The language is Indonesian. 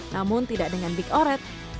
namun tidak dengan big oret